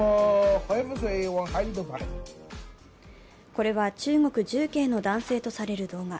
これは、中国・重慶の男性とされる動画。